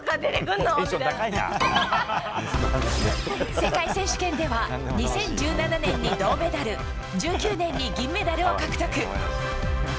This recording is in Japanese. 世界選手権では２０１７年に銅メダル１９年に銀メダルを獲得。